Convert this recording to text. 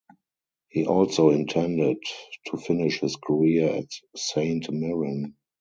He also intended to finish his career at Saint Mirren.